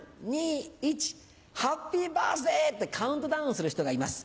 「３・２・１ハッピーバースデー！」ってカウントダウンする人がいます。